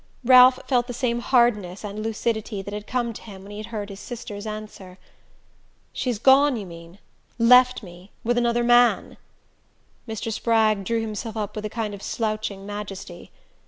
Ralph felt the same hardness and lucidity that had come to him when he had heard his sister's answer. "She's gone, you mean? Left me? With another man?" Mr. Spragg drew himself up with a kind of slouching majesty.